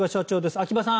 秋葉さん